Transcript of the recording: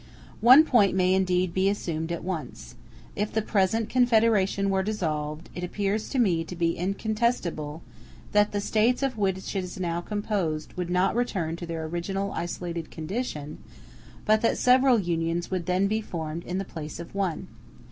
One point may indeed be assumed at once: if the present confederation were dissolved, it appears to me to be incontestable that the States of which it is now composed would not return to their original isolated condition, but that several unions would then be formed in the place of one.